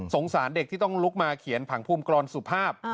สารเด็กที่ต้องลุกมาเขียนผังภูมิกรอนสุภาพ